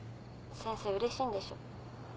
先生うれしいんでしょ？